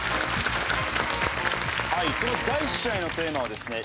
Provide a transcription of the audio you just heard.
第１試合のテーマはですね